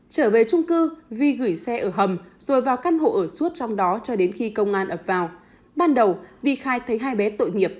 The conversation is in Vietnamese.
trở về trung cư vi gửi xe ở hầm rồi vào căn hộ ở suốt trong đó cho đến khi công an ập vào ban đầu vi khai thấy hai bé tội nghiệp